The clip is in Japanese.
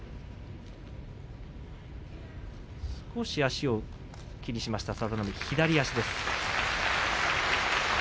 少し足を気にしました佐田の海左足です。